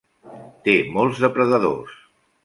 Té molts depredadors.